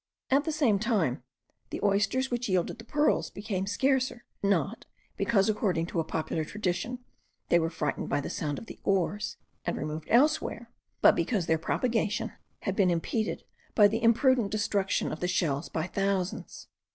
At the same time, the oysters which yielded the pearls became scarcer, not, because, according to a popular tradition, they were frightened by the sound of the oars, and removed elsewhere; but because their propagation had been impeded by the imprudent destruction of the shells by thousands.